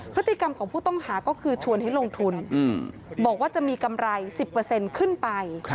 พฤติกรรมของผู้ต้องหาก็คือชวนให้ลงทุนบอกว่าจะมีกำไร๑๐ขึ้นไป